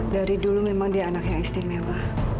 dari dulu memang dia anak yang istimewa